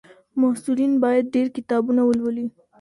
محصلین باید ډېر کتابونه ولولي.